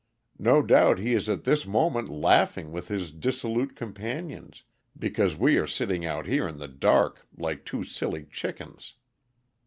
No doubt he is at this moment laughing with his dissolute companions, because we are sitting out here in the dark like two silly chickens!"